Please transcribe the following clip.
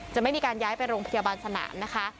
ไม่มีการย้ายไปโรงพยาบาลสนามนะคะ